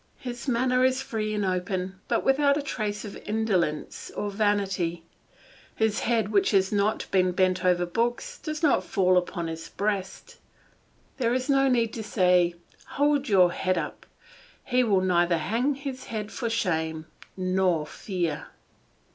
His manner is free and open, but without a trace of insolence or vanity; his head which has not been bent over books does not fall upon his breast; there is no need to say, "Hold your head up," he will neither hang his head for shame or fear.